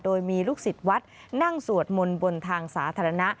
โดยมีลูกศิษย์วัดนั่งสวดมนต์บนทางสาธารณะ